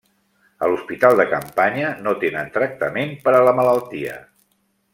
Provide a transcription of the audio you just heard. A l'hospital de campanya no tenen tractament per a la malaltia.